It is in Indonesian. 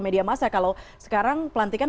media masa kalau sekarang pelantikan